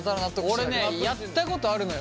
俺ねやったことあるのよ